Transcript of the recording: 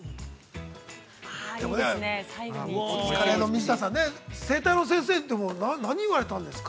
◆お疲れの水田さん、整体の先生に何を言われたんですか？